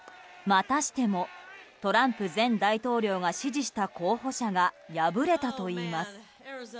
またしてもトランプ前大統領が支持した候補者が敗れたといいます。